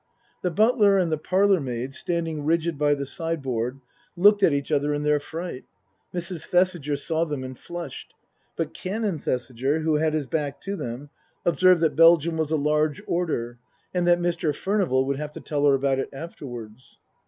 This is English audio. The butler and the parlourmaid, standing rigid by the sideboard, looked at each other in their fright. Mrs. Thesiger saw them and flushed. But Canon Thesiger, who had his back to them, observed that Belgium was a large order, and that Mr. Furnival would have to tell her about it afterwards.